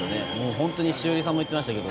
本当に栞里さんも言ってましたけど